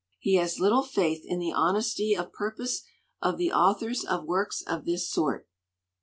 He has little faith in the honesty of purpose of the authors of works of this sort.